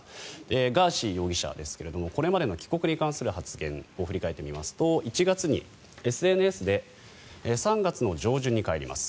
ガーシー容疑者ですがこれまでの帰国に関する発言を振り返ってみますと１月にＳＮＳで３月の上旬に帰ります